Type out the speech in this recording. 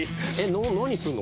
何すんの？